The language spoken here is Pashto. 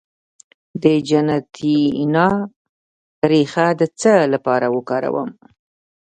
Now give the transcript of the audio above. د جنتیانا ریښه د څه لپاره وکاروم؟